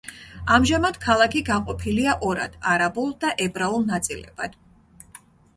ამჟამად ქალაქი გაყოფილია ორად არაბულ და ებრაულ ნაწილებად.